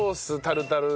タルタル？